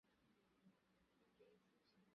তাদের সীমিত গণ্ডীকে অতিক্রম করেই সন্ন্যাসীর জীবন।